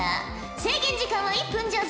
制限時間は１分じゃぞ。